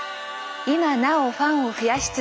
今なおファンを増やし続け